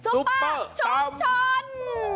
ซุปเปอร์ชุมชน